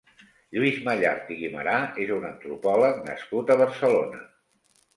Lluís Mallart i Guimerà és un antropòleg nascut a Barcelona.